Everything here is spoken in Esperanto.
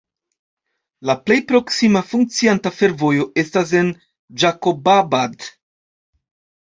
La plej proksima funkcianta fervojo estas en Ĝakobabad.